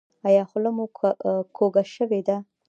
ایا خوله مو کوږه شوې ده؟